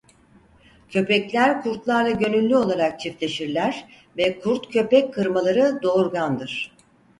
Köpekler kurtlarla gönüllü olarak çiftleşirler ve kurt-köpek kırmaları doğurgandır.